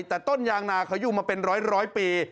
แต่ต้นยางนาเขาอยู่มาเป็นร้อยปี